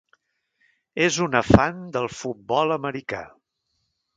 És una fan del Futbol americà.